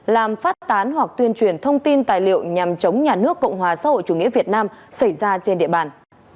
làm phát tán hoặc tuyên truyền thông tin tài liệu nhằm chống nhà nước cộng hòa xã hội chủ nghĩa việt nam xảy ra trên địa bàn